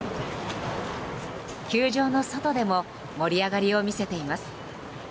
球場の外でも盛り上がりを見せています。